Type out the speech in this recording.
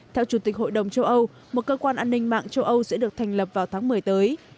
theo chủ tịch hội đồng châu âu một cơ quan an ninh mạng châu âu sẽ được thành lập vào tháng một mươi tới